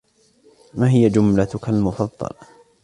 ما هي جملتك المفضلة ؟